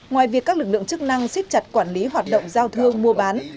ngoài việc các lực lượng chức năng xích chặt quản lý hoạt động giao thương mua bán